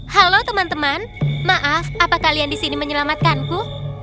halo teman teman maaf apakah kalian disini menyelamatkanku